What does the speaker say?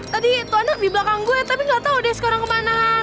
tadi tuan yang di belakang gue tapi gak tahudeska orang kemanaan